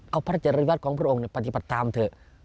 เอาพระเจริญาวัฒน์ของพระองค์เนี่ยปฏิปัตตามเถอะ